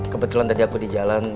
kebetulan tadi aku di jalan